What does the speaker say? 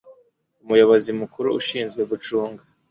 umuyobozi mukuru ushinzwe gucunga